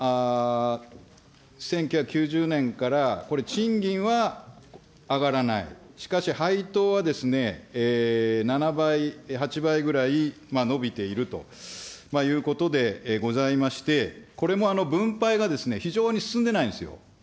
１９９０年からこれ、賃金は上がらない、しかし配当は７倍、８倍ぐらい伸びているということでございまして、これも分配は非常に進んでないんですよ。